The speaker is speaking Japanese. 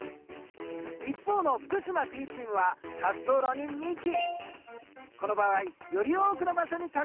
一方の福島Ｂチームは滑走路に２機。